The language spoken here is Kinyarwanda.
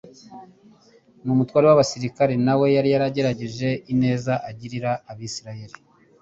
n'umutware w'abasirikari na we yari yaragaragaje ineza agirira abisiraeli.